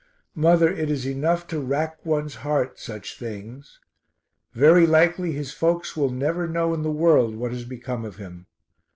Mother, it is enough to rack one's heart such things. Very likely his folks will never know in the world what has become of him.